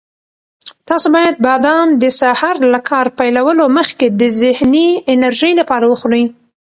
تاسو باید بادام د سهار له کار پیلولو مخکې د ذهني انرژۍ لپاره وخورئ.